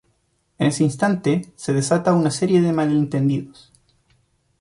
En ese instante se desata una serie de malentendidos.